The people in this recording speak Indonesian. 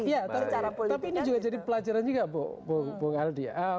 tapi ini juga jadi pelajaran juga bu ngaldi